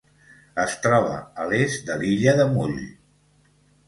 Es troba a l'est de l'illa de Mull.